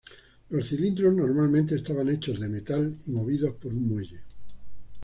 Los cilindros normalmente estaban hechos de metal, y movidos por un muelle.